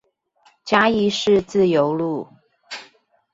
嘉義市自由路